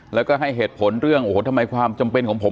แล้วก็ให้เหตุผลเรื่องโอ้โหทำไมความจำเป็นของผม